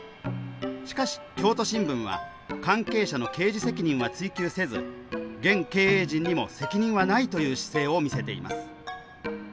しかし、京都新聞は関係者の刑事責任は追及せず現経営陣にも、責任はないという姿勢を見せています。